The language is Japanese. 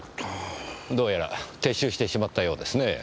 どうやら撤収してしまったようですねぇ。